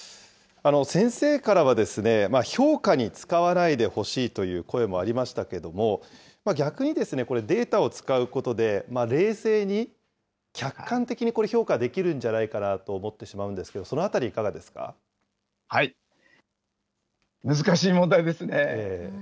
先生からは、評価に使わないでほしいという声もありましたけども、逆にですね、これ、データを使うことで、冷静に、客観的に評価できるんじゃないかなと思ってしまうんですけれども、難しい問題ですね。